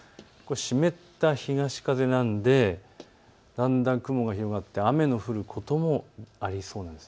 湿った東風なのでだんだん雲が広がって雨の降ることもありそうなんです。